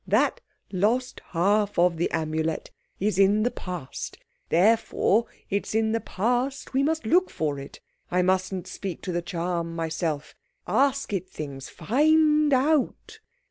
That lost half of the Amulet is in the Past. Therefore it's in the Past we must look for it. I mustn't speak to the charm myself. Ask it things! Find out!"